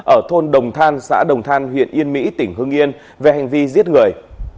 ở thôn đồng than xã đồng than huyện yên mỹ tỉnh hương yên về hành vi giết người